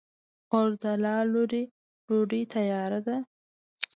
اورځلا لورې! ډوډۍ تیاره ده؟